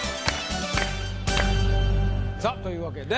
さあというわけで。